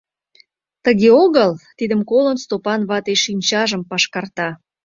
— Тыге огыл?.. — тидым колын, Стопан вате шинчажым пашкарта.